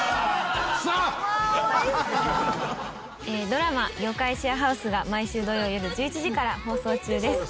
ドラマ『妖怪シェアハウス』が毎週土曜よる１１時から放送中です。